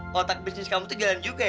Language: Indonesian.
kotak bisnis kamu tuh jalan juga ya